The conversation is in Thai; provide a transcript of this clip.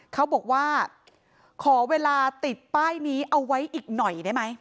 เขาบอกว่าขอเวลาติดป้ายนี้เอาไว้อีกหน่อยได้ไหม